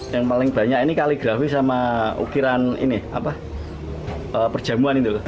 yang paling banyak ini kaligrafi sama ukiran perjamuan